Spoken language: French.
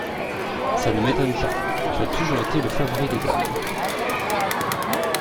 Ca ne m’étonne pas, tu as toujours été le favori des dames.